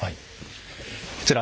こちら。